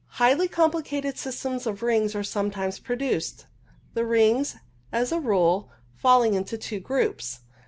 Highly com plicated systems of rings are sometimes produced, the rings, as a rule, falling into two groups.